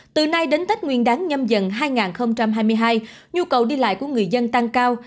từ nay đến tết nguyên đáng nhâm dần hai nghìn hai mươi hai nhu cầu đi lại của người dân tăng cao